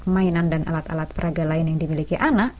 mainan dan alat alat peraga lain yang dimiliki anak